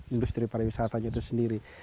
industri pariwisatanya itu sendiri